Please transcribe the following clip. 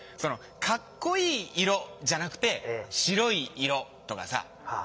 「かっこいいいろ」じゃなくて「しろいいろ」とかさ。